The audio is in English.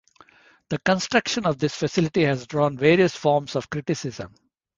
The construction of this facility has drawn various forms of criticism.